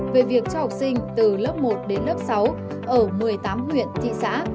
về việc cho học sinh từ lớp một đến lớp sáu ở một mươi tám huyện thị xã